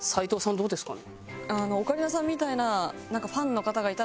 どうですかね？